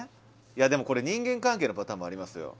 いやでもこれ人間関係のパターンもありますよ。